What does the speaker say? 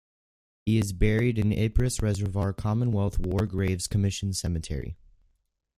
He is buried in Ypres Reservoir Commonwealth War Graves Commission Cemetery.